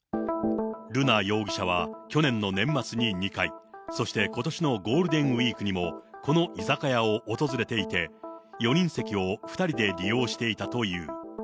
瑠奈容疑者は去年の年末に２回、そしてことしのゴールデンウィークにもこの居酒屋を訪れていて、４人席を２人で利用していたという。